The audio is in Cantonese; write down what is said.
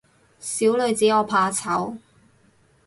小女子我怕醜